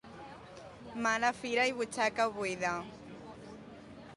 Mala fira i butxaca buida.